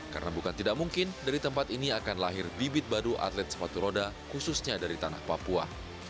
karena bukan tidak mungkin dari tempat ini akan lahir bibit baru atlet sepatu roda khususnya dari tanah papua